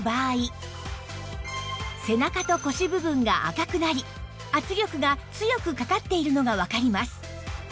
背中と腰部分が赤くなり圧力が強くかかっているのがわかります